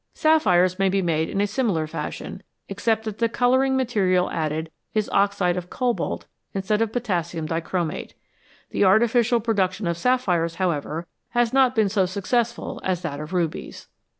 Sapphires may be made in a similar fashion, except that the colouring material added is oxide of cobalt in stead of potassium dichromate. The artificial production of sapphires, however, has not been so successful as that of rubies.